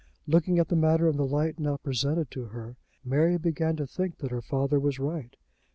Looking at the matter in the light now presented to her, Mary began to think that her father was right.